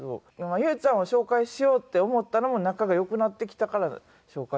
優ちゃんを紹介しようって思ったのも仲が良くなってきたから紹介して。